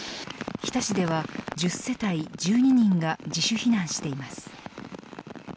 日田市では、１０世帯１２人が自主避難しています。